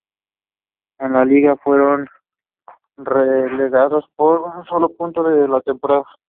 En la liga que fueron relegados por un solo punto de la temporada.